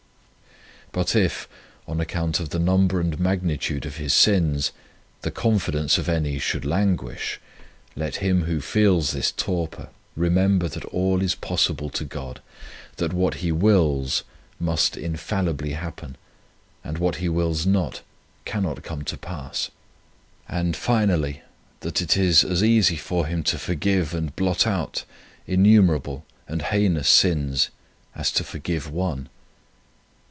But if, on account of the number and magnitude of his sins, the confidence of any should languish, let him who feels this torpor re member that all is possible to God, that what He wills must infallibly 1 Cf. Serm. I. in Pent. 2 Mark xi. 24. 1 06 The Providence of God happen, and what He wills not cannot come to pass, and, finally, that it is as easy for Him to forgive and blot out innumerable and heinous sins as to forgive one.